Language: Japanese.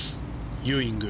ユーイング。